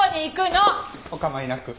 お構いなく。